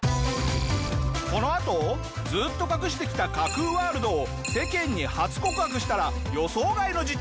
このあとずっと隠してきた架空ワールドを世間に初告白したら予想外の事態に！？